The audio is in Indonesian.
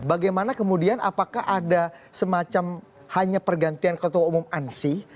bagaimana kemudian apakah ada semacam hanya pergantian ketua umum ansih